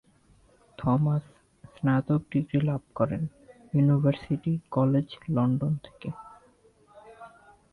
Thomas স্নাতক degree লাভ করেন ইউনিভার্সিটি কলেজ লন্ডন থেকে।